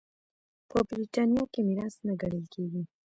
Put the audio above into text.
په برېټانیا کې میراث نه ګڼل کېږي.